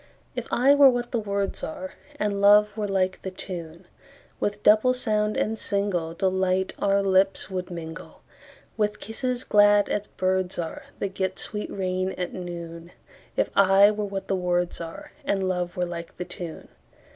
If I were what the words are, And love were like the tune, With double sound and singleDelight our lips would mingle, With kisses glad as birds areThat get sweet rain at noon; If I were what the words areAnd love were like the tune.